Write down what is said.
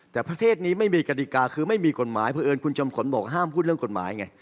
แต่ประเทศนี้ไม่มีกฎิกาคือไม่มีกฎหมายเพราะเอิญคุณจำขนบอกห้ามพูดเรื่องกฎหมายไง